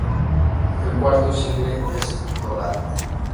El cuarto single es "Too Late".